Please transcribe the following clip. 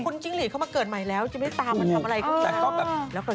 คุณจิ๊งหลีเขามาเกิดใหม่แล้วจะไม่ตามมันทำอะไรก็ไม่รู้